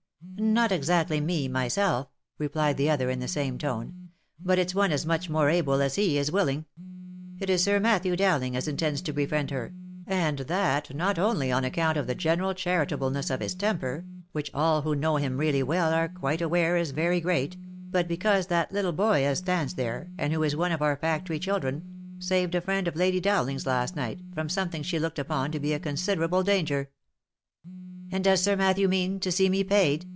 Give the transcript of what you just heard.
" Not exactly me, myself," replied the other in the same tone, " but it's one as much more able as he is willing. It is Sir Matthew Dowling as intends to befriend her, and that not only on account of the general charitableness of his temper, which all who know him really well are quite aware is very great, but because that little boy as stands there, and who is one of our factory children, saved a friend of Lady Dowling's, last night, from something she looked upon to be a considerable danger." " And does Sir Matthew mean to see me paid